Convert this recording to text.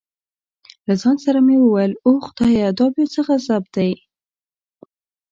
له ځان سره مې وویل اوه خدایه دا بیا څه غضب دی.